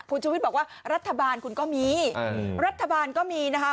คุณชุวิตบอกว่ารัฐบาลคุณก็มีรัฐบาลก็มีนะคะ